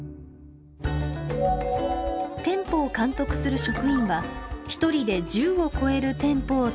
店舗を監督する職員は１人で１０を超える店舗を担当。